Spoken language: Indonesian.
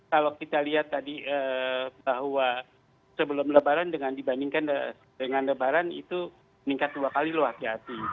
kalau kita lihat tadi bahwa sebelum lebaran dibandingkan dengan lebaran itu meningkat dua kali loh hati hati